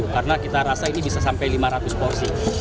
karena kita rasa ini bisa sampai lima ratus porsi